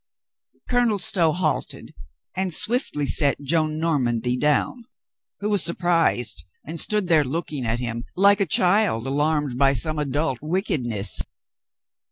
Colonel Stow halted and swiftly set Joan Nor mandy down — who was surprised, and stood there looking at him, like a child alarmed by some adult wickedness.